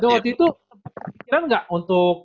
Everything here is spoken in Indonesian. waktu itu kepikiran gak untuk